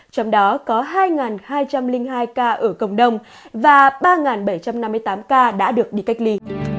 trong đó có hai hai trăm linh hai ca ở cộng đồng và ba bảy trăm năm mươi tám ca đã được đi cách ly